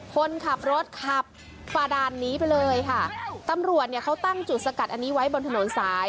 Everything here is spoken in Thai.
คนขับรถขับฝ่าด่านนี้ไปเลยค่ะตำรวจเนี่ยเขาตั้งจุดสกัดอันนี้ไว้บนถนนสาย